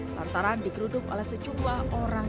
lantaran digeruduk oleh sejumlah orang